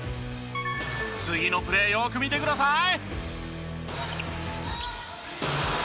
次のプレーよく見てください！